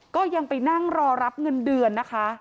ก็ยังไปนั่งรอรับเงินเดือนนะคะ